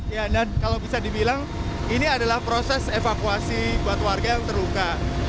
ya dan kalau bisa dibilang ini adalah proses evakuasi buat warga yang terluka